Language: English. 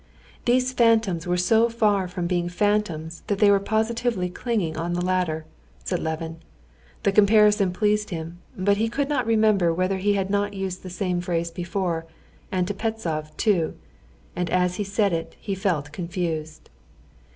"These phantoms were so far from being phantoms that they were positively clinging on the ladder," said Levin. The comparison pleased him, but he could not remember whether he had not used the same phrase before, and to Pestsov, too, and as he said it he felt confused.